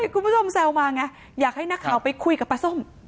คุณผู้ชมแซวมาไงอยากให้นักข่าวไปคุยกับปลาส้ม